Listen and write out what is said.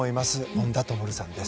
本多灯さんです。